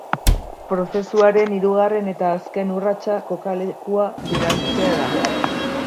Prozesuaren hirugarren eta azken urratsa kokalekua bidaltzea da.